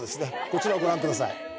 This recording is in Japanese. こちら、ご覧ください。